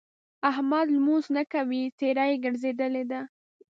احمد لمونځ نه کوي؛ څېره يې ګرځېدلې ده.